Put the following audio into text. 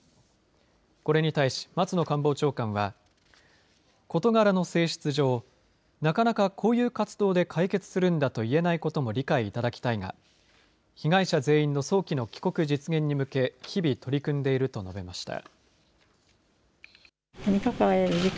これに対し松野官房長官は事柄の性質上なかなか、こういう活動で解決するんだと言えないことも理解いただきたいが被害者全員の早期の帰国実現に向けて日々取り組んでいると述べました。